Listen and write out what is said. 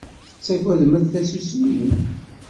Tettaggadem tasusmi?